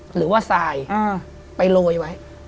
หรือว่าทรายไปโรยไว้